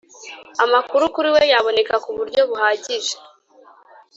amakuru kuri we yaboneka ku buryo buhagije.